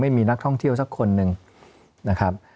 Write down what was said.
ไม่มีนักท่องเที่ยวสักคนหนึ่งนะครับ